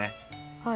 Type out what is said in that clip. はい。